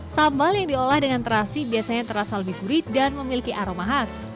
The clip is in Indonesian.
sambal yang diolah dengan terasi biasanya terasa lebih gurih dan memiliki aroma khas